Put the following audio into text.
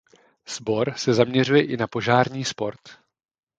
Sbor se zaměřuje i na požární sport.